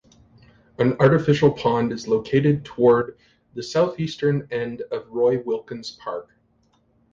An artificial pond is located toward the southeastern end of Roy Wilkins Park.